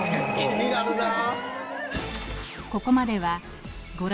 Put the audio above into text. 気になるなぁ。